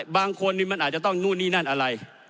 บางคนนี่มันอาจจะต้องนู่นนี่นั่นอะไร